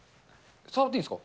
触っていいんですか？